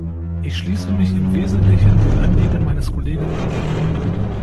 Ich schließe mich im wesentlichen den Anliegen meines Kollegen an.